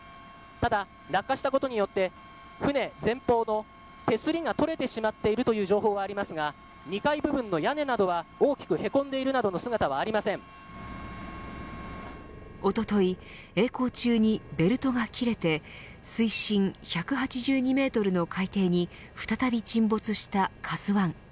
ただ、落下したことによって船前方の手すりが取れてしまっているという情報はありますが２階部分の屋根などは大きくへこんでるなどのおととい、えい航中にベルトが切れて水深１８２メートルの海底に再び沈没したＫＡＺＵ１。